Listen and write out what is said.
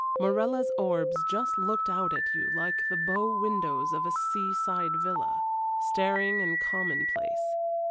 Morella's orbs just looked out at you like the bow windows of a sea side villa staring and commonplace.